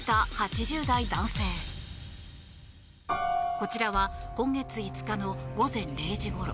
こちらは今月５日の午前０時ごろ。